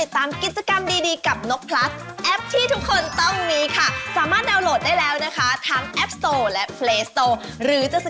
ถ่ายเลยครับโพสต์เลยแคปเลย